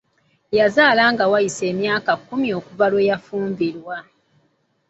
Yazaala nga wayise emyaka kkumi okuva lwe yafumbirwa!